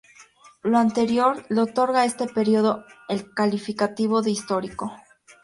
Lo anterior le otorga a este periodo el calificativo de histórico.